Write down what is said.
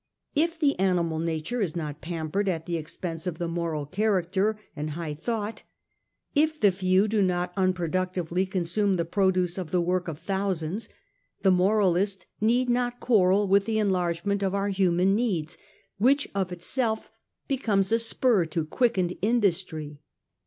If the animal nature is not pam pered at the expense of the moral character and high thought, if the few do not unproductively consume the produce of the work of thousands, the moralist need not quarrel with the enlargement of our human needs, which of itself becomes a spur to quickened industry.